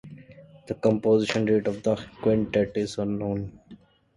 The composition date of the quintet is unknown.